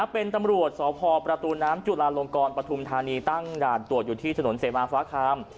เป็นตำรวจสพประตูน้ำจุลาลงกรปฐุมธานีตั้งด่านตรวจอยู่ที่ถนนเสมาฟ้าคาม